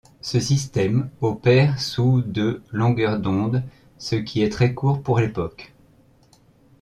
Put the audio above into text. Ce système opère sous de longueur d'onde, ce qui est très court pour l'époque.